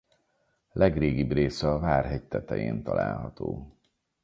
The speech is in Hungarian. Legrégibb része a várhegy tetején található.